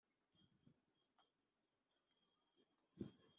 Ingingo ya mbere Intego n icyo ugamije